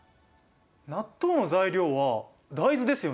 納豆の材料は大豆ですよね。